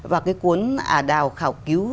và cái cuốn ả đào khảo cứu